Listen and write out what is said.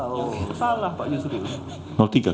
oh salah paknya sudah